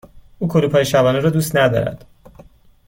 او کلوپ های شبانه را دوست ندارد.